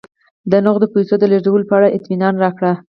د نغدو پیسو د لېږلو په اړه اطمینان راکړه.